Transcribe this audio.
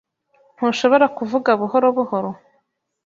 Ntushobora kuvuga buhoro buhoro?